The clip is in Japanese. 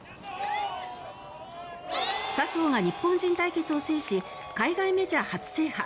笹生が日本人対決を制し海外メジャー初制覇。